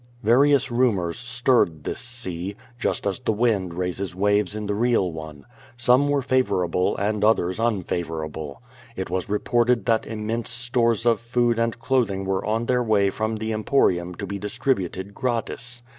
Various rumors stirred this sea, just as the wind raises waves in the real one. Some were favorable and others un favorable. It was reported that immense stores of food and clothing were on their way from the Emporium to be dis tributed gratis.